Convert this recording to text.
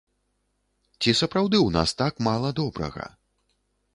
Ці сапраўды ў нас так мала добрага?